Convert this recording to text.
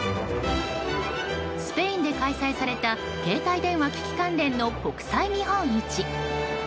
スペインで開催された携帯電話機器関連の国際見本市。